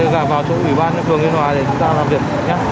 thôi anh vào chỗ ủy ban phường yên hòa để chúng ta làm việc nhé